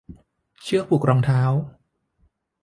เชือกผูกรองเท้า